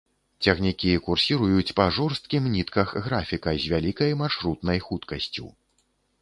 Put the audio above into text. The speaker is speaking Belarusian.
Цягнікі курсіруюць па жорсткім нітках графіка, з вялікай маршрутнай хуткасцю.